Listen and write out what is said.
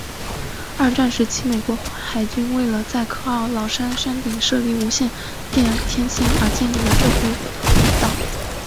二战时期美国海军为了在科奥劳山山顶设立无线电天线而建立了这条步道。